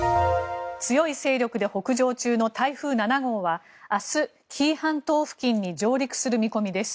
強い勢力で北上中の台風７号は明日、紀伊半島付近に上陸する見込みです。